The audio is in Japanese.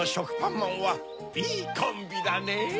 まんはいいコンビだねぇ。